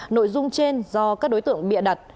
nội dung trên do các đối tượng bịa đặt